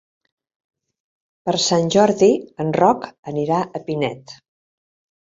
Per Sant Jordi en Roc anirà a Pinet.